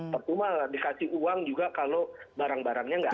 pertama dikasih uang juga kalau barang barangnya nggak ada